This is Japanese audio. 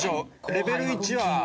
レベル１は。